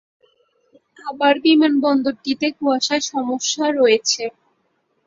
আবার বিমানবন্দরটিতে কুয়াশার সমস্যা রয়েছে।